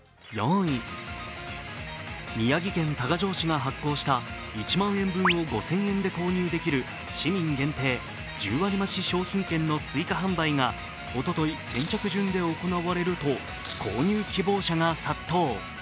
宮城県多賀城市が発行した１万円分を５０００円で購入できる市民限定１０割増し商品券の追加販売が、おととい先着順で行われると、購入希望者が殺到。